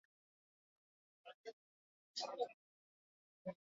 Turismo uholde desatseginak egon daitezke sanferminetan.